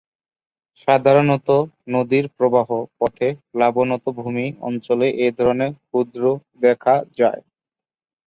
সাধারণত নদীর প্রবাহ পথে প্লাবনভূমি অঞ্চলে এ ধরনের হ্রদ দেখা যায়।